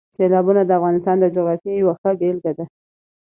سیلابونه د افغانستان د جغرافیې یوه ښه بېلګه ده.